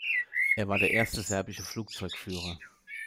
Er war der erste serbische Flugzeugführer.